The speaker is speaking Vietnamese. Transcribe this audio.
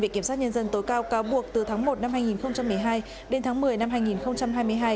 viện kiểm sát nhân dân tối cao cáo buộc từ tháng một năm hai nghìn một mươi hai đến tháng một mươi năm hai nghìn hai mươi hai